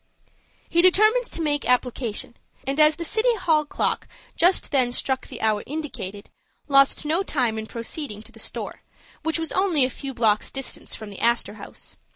He determined to make application, and, as the City Hall clock just then struck the hour indicated, lost no time in proceeding to the store, which was only a few blocks distant from the Astor House.